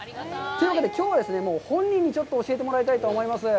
というわけで、きょうは本人にちょっと教えてもらいたいと思います。